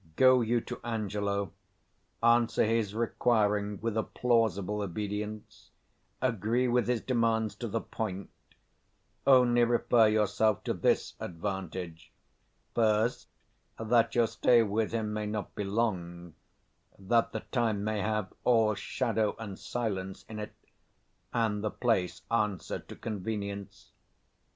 230 Go you to Angelo; answer his requiring with a plausible obedience; agree with his demands to the point; only refer yourself to this advantage, first, that your stay with him may not be long; that the time may have all shadow and silence in it; and the place answer to convenience.